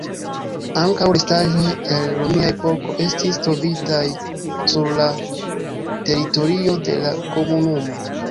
Ankaŭ restaĵoj el romia epoko estis trovitaj sur la teritorio de la komunumo.